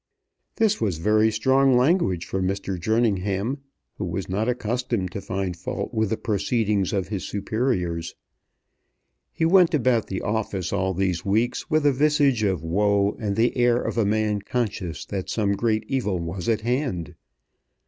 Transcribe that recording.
This was very strong language for Mr. Jerningham, who was not accustomed to find fault with the proceedings of his superiors. He went about the office all these weeks with a visage of woe and the air of a man conscious that some great evil was at hand.